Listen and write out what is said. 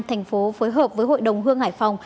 thành phố phối hợp với hội đồng hương hải phòng